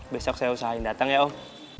besok saya usahain datang ya oh